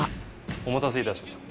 お待たせいたしました。